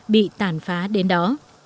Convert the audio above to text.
bị tàn phá đến đó